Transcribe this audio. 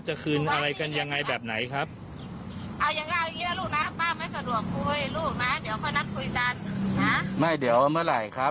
จะคืนอะไรกันอย่างไรครับ